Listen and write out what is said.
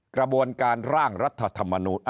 กระบวนการร่างรัฐธรรมนูล